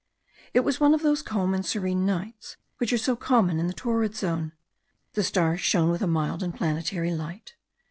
It was one of those calm and serene nights which are so common in the torrid zone. The stars shone with a mild and planetary light.